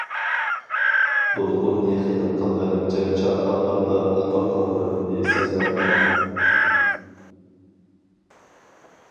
دولقۇننى خىيال قىلغىنىمچە قاچانلاردا ئۇخلاپ قالغىنىمنى سەزمەپتىمەن.